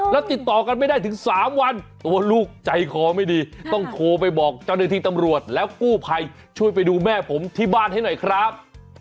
แล้วติดต่อกันไม่ได้ถึง๓วันตัวลูกใจคอไม่ดีต้องโทรไปบอกเจ้าหน้าที่ตำรวจแล้วกู้ภัยช่วยไปดูแม่ผมที่บ้านให้หน่อยครับ